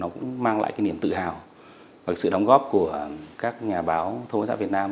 nó cũng mang lại cái niềm tự hào và sự đóng góp của các nhà báo thông báo xã việt nam